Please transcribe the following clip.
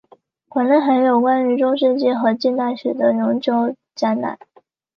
馆内还有关于中世纪和近现代的永久展览。